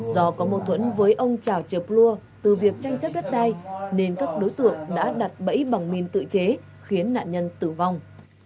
do có mâu thuẫn với ông chảo trợp lua từ việc tranh chấp đất đai nên các đối tượng đã đặt bẫy bằng mìn tự chế khiến nạn nhân tử vong